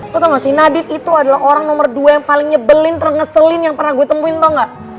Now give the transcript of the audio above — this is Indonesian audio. tau tau sih nadif itu adalah orang nomor dua yang paling nyebelin terngeselin yang pernah gue temuin atau enggak